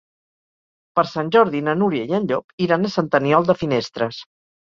Per Sant Jordi na Núria i en Llop iran a Sant Aniol de Finestres.